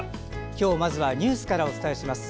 今日まずはニュースからお伝えします。